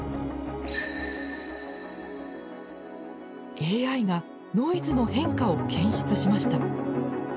ＡＩがノイズの変化を検出しました。